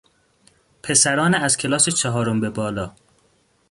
پسران از کلاس چهارم به بالا